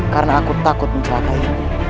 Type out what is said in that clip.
karena aku takut mencelakai